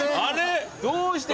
どうして？